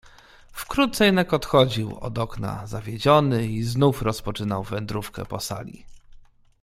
"Wkrótce jednak odchodził od okna zawiedziony i znów rozpoczynał wędrówkę po sali."